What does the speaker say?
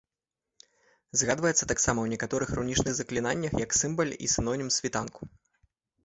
Згадваецца таксама ў некаторых рунічных заклінаннях як сімвал і сінонім світанку.